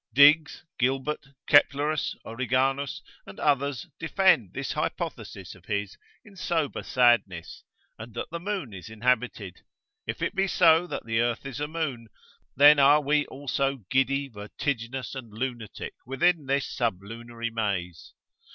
Digges, Gilbert, Keplerus, Origanus, and others, defend this hypothesis of his in sober sadness, and that the moon is inhabited: if it be so that the earth is a moon, then are we also giddy, vertiginous and lunatic within this sublunary maze.